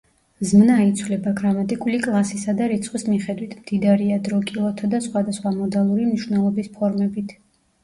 ზმნა იცვლება გრამატიკული კლასისა და რიცხვის მიხედვით; მდიდარია დრო-კილოთა და სხვადასხვა მოდალური მნიშვნელობის ფორმებით.